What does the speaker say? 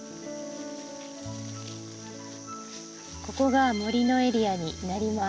ここが森のエリアになります。